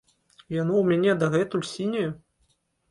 Яно ў мяне дагэтуль сіняе.